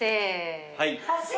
はい！